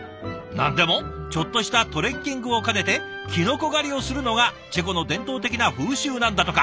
何でもちょっとしたトレッキングを兼ねてきのこ狩りをするのがチェコの伝統的な風習なんだとか。